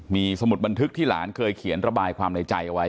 มีสมุดบันทึกที่หลานเคยเขียนระบายความในใจเอาไว้